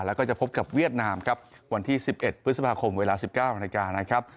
แล้วก็จะพบกับเวียดนามครับวันที่๑๑พฤษภาคมเวลา๑๙นาฬิกานะครับ